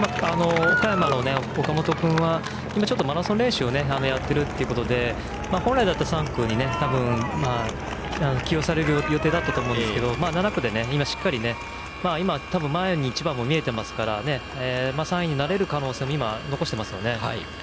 岡山の岡本君はマラソン練習をやっているということで本来だったら３区に起用される予定だったと思うんですけど７区で今、しっかりと多分前に千葉も見えているので３位になれる可能性も残してますよね。